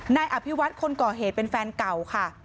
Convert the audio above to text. นายอภิวัตคนก่อเหตุเป็นแฟนเก่าค่ะ